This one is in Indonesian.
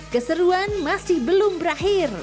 keseruan masih belum berakhir